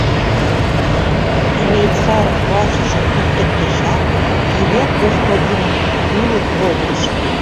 Швейцар вачыжым туртыктышат, Гивет господиным ӱлык волтыш.